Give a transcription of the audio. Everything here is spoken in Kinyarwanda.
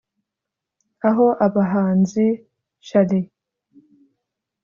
aho abahanzi Charly